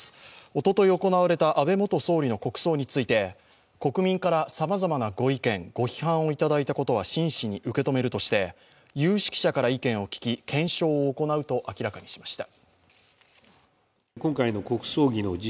おととい行われた安倍元総理の国葬について国民からさまざまなご意見、ご批判をいただいたことは真摯に受け止めるとして、有識者から意見を聞き、検証を行うと明らかにしました。